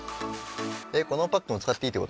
えっこのパックも使っていいって事？